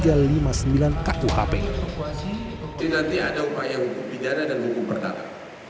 jadi nanti ada upaya hukum pidana dan hukum berdata